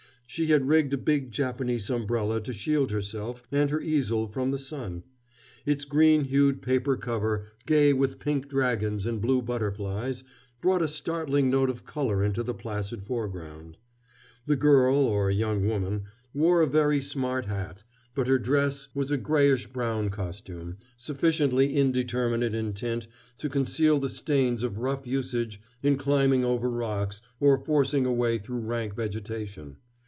She had rigged a big Japanese umbrella to shield herself and her easel from the sun. Its green hued paper cover, gay with pink dragons and blue butterflies, brought a startling note of color into the placid foreground. The girl, or young woman, wore a very smart hat, but her dress was a grayish brown costume, sufficiently indeterminate in tint to conceal the stains of rough usage in climbing over rocks, or forcing a way through rank vegetation.